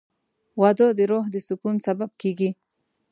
• واده د روح د سکون سبب کېږي.